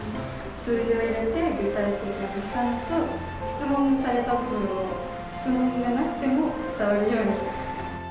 数字を入れて具体的にしたのと、質問された部分を、質問がなくても伝わるように。